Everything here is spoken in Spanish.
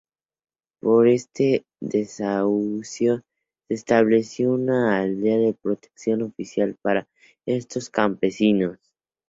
Por este desahucio se estableció una aldea de protección oficial para estos campesinos.